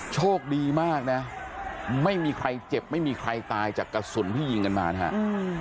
โชคดีมากนะไม่มีใครเจ็บไม่มีใครตายจากกระสุนที่ยิงกันมานะครับ